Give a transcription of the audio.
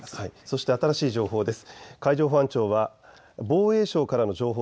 そして新しい情報です。